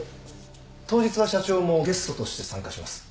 当日は社長もゲストとして参加します。